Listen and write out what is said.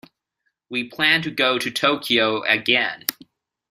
We plan to go to Tokyo again.